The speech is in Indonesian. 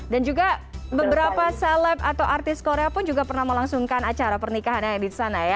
dan juga beberapa seleb atau artis korea pun juga pernah melangsungkan acara pernikahan yang ada di sana ya